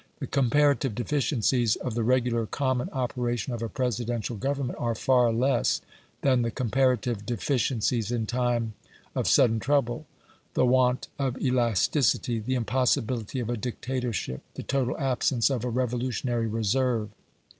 The comparative deficiencies of the regular, common operation of a Presidential government are far less than the comparative deficiencies in time of sudden trouble the want of elasticity, the impossibility of a dictatorship, the total absence of a REVOLUTIONARY RESERVE.